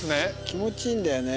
気持ちいいんだよね。